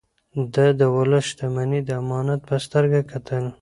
ده د ولس شتمني د امانت په سترګه کتل.